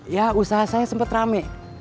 ya usaha saya sempat rame